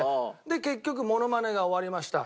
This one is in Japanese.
で結局モノマネが終わりました。